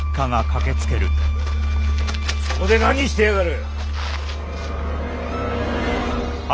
そこで何してやがる！？